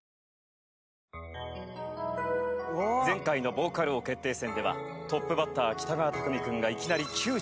前回の「ヴォーカル王決定戦」ではトップバッター北川拓実くんがいきなり９８点超え。